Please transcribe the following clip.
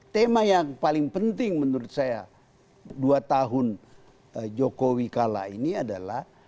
tema yang paling penting menurut saya dua tahun jokowi kalah ini adalah